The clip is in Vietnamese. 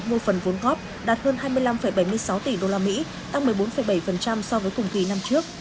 mua phần vốn góp đạt hơn hai mươi năm bảy mươi sáu tỷ usd tăng một mươi bốn bảy so với cùng kỳ năm trước